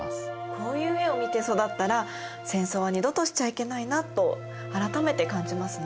こういう絵を見て育ったら戦争は二度としちゃいけないなと改めて感じますね。